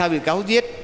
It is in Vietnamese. vì tôi biết